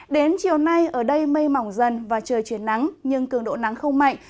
đến chiều nay ở đây mây mỏng dần và trời chuyển nắng nhưng cường độ nắng không mạnh